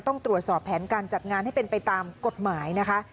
ต้องตรวจสอบแผนการจัดงานให้เป็นไปตามกฎหมายนะคะ